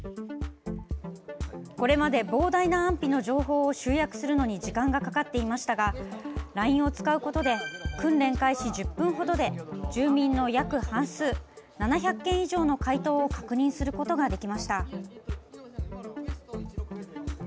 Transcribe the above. これまで膨大な安否の情報を集約するのに時間がかかっていましたがＬＩＮＥを使うことで訓練開始１０分程で住民の約半数７００件以上の回答を確認することができました。